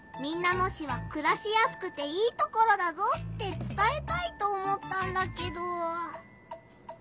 野市はくらしやすくていいところだぞってつたえたいと思ったんだけど。